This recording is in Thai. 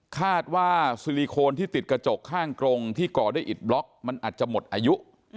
คาดว่าซิลิโคนที่ติดกระจกข้างกรงที่ก่อด้วยอิดบล็อกมันอาจจะหมดอายุ